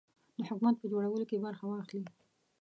د حکومت په جوړولو کې برخه واخلي.